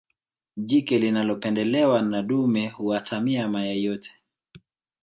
jike linalopendelewa na dume huatamia mayai yote